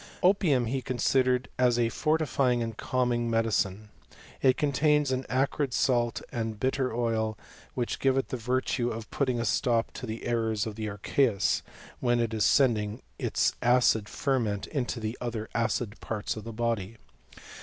Opium he considered as a fortifying and calming medicine. It contains an acrid salt and a bitter oil, which give it the virtue of putting a stop to the errors of the archeus, when it was sending its acid ferment into other acid parts of the body.